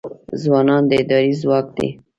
ځوانان د ادارې ځواک دی